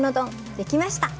できました。